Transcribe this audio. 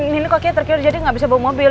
nino kakinya terkejar jadi gak bisa bawa mobil